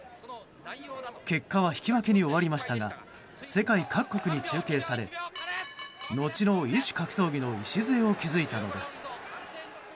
結果は引き分けに終わりましたが世界各国に中継され後の異種格闘技の礎を築いたのです。